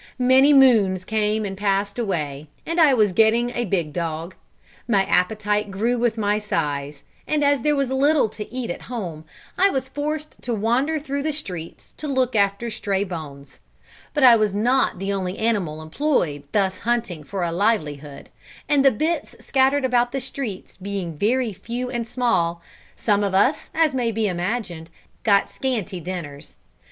Many moons came and passed away, and I was getting a big dog. My appetite grew with my size, and as there was little to eat at home, I was forced to wander through the streets to look after stray bones; but I was not the only animal employed thus hunting for a livelihood, and the bits scattered about the streets being very few and small, some of us, as may be imagined, got scanty dinners.